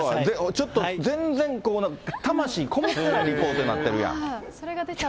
ちょっと全然、ここ魂込もってないリポートになってるやん。